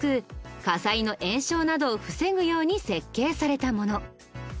火災の延焼などを防ぐように設計されたもの。